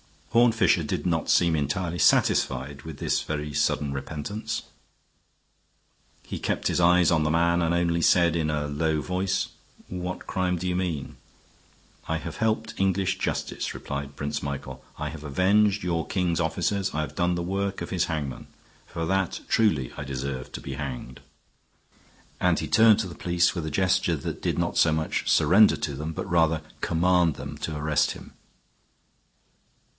Horne Fisher did not seem entirely satisfied with this very sudden repentance; he kept his eyes on the man and only said, in a low voice, "What crime do you mean?" "I have helped English justice," replied Prince Michael. "I have avenged your king's officers; I have done the work of his hangman. For that truly I deserve to be hanged." And he turned to the police with a gesture that did not so much surrender to them, but rather command them to arrest him.